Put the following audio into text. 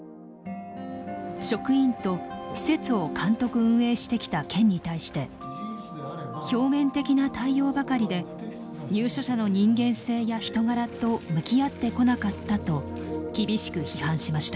職員と施設を監督運営してきた県に対して表面的な対応ばかりで入所者の人間性や人柄と向き合ってこなかったと厳しく批判しました。